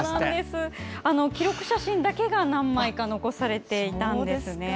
記録写真だけが何枚か残されていたんですね。